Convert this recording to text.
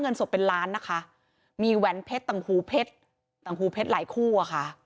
ศพเป็นล้านนะคะมีแหวนเพชรต่างหูเพชรตังหูเพชรหลายคู่อะค่ะ